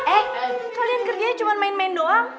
eh kalian kerjanya cuma main main doang